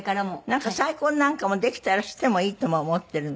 なんか再婚なんかもできたらしてもいいとも思ってるの？